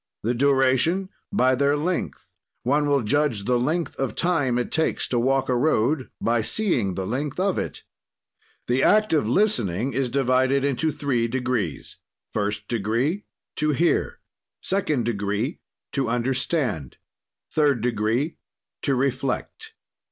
"The duration by their length; one will judge of the length of time it takes to walk a road by seeing the length of it. "The act of listening is divided into three degrees. "First degree, to hear. "Second degree, to understand. "Third degree, to reflect.